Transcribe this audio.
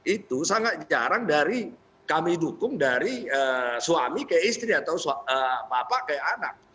itu sangat jarang dari kami dukung dari suami kayak istri atau bapak kayak anak